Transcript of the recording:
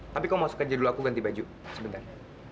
tapi kamu masuk aja dulu aku ganti baju sebentar